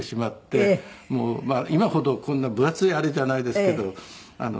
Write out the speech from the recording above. まあ今ほどこんな分厚いあれじゃないですけど。